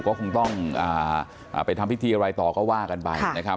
ก็คงต้องไปทำพิธีอะไรต่อว่ากันไป